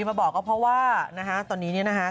มาบอกเขาเพราะว่านะฮะตอนนี้นะฮะ